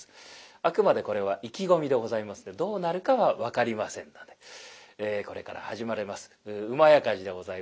あくまでこれは意気込みでございますんでどうなるかは分かりませんのでこれから始まります「火事」でございます。